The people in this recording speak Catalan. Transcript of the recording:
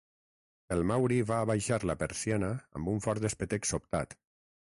El Maury va abaixar la persiana amb un fort espetec sobtat.